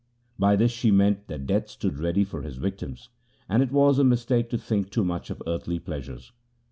By this she meant that Death stood ready for his victims, and it was a mistake to think too much of earthly pleasures.